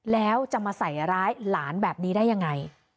แล้วจะมาใส่ร้ายหลานแบบนี้ได้ยังไง